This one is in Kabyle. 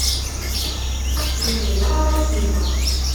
Yeqbel aɣawas-nteɣ.